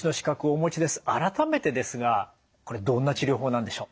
改めてですがこれどんな治療法なんでしょう？